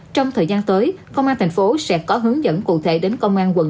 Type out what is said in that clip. trong thời gian tới công an tp hcm sẽ có hướng dẫn cụ thể đến công an quận